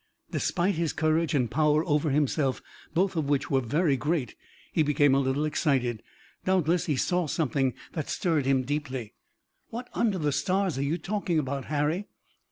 "Despite his courage and power over himself, both of which were very great, he became a little excited. Doubtless he saw something that stirred him deeply." "What under the stars are you talking about, Harry?"